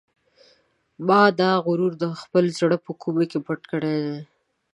ما دا غرور د خپل زړه په کومې کې پټ کړی دی.